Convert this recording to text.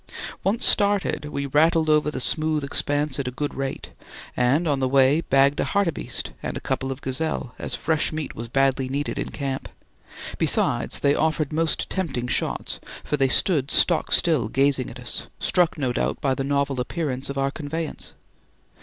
Once started, we rattled over the smooth expanse at a good rate, and on the way bagged a hartebeeste and a couple of gazelle, as fresh meat was badly needed in camp; besides, they offered most tempting shots, for they stood stock still gazing at us, struck no doubt by the novel appearance of our conveyance.